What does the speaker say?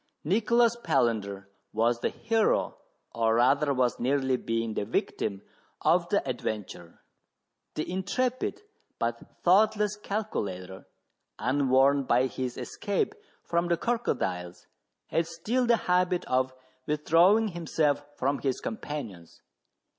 Nicholas Palander was the hero, or rather was nearly being the victim, of the adventure. The intrepid but thoughtless calculator, unwarned by his escape from the crocodiles, had still the habit of withdraw 2l6 MERIDIANA; THE ADVENTURES OF ing himself from his companions.